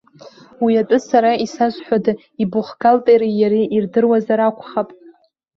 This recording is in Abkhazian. Уи атәы сара исазҳәода, ибухгалтери иареи ирдыруазар акәхап.